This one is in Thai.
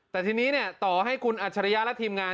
แต่ทีนี้เนี่ยต่อให้คุณอาชิริยะและทีมงาน